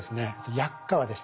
薬価はですね